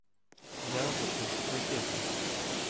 Я запрошу пройтися.